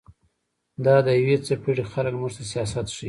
دا د يوې څپېړي خلق موږ ته سياست ښيي